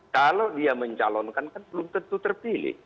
kalau dia mencalonkan kan belum tentu terpilih